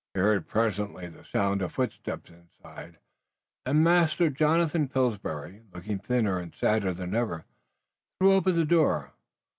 He heard presently the sound of footsteps inside, and Master Jonathan Pillsbury, looking thinner and sadder than ever, threw open the door.